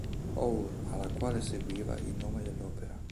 Our", alla quale seguiva il nome dell'opera.